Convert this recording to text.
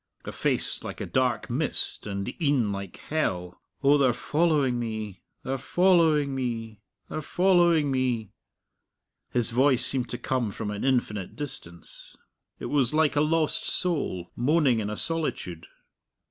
A face like a dark mist and een like hell. Oh, they're foll owing me ... they're foll owing me ... they're foll owing me!" His voice seemed to come from an infinite distance. It was like a lost soul moaning in a solitude.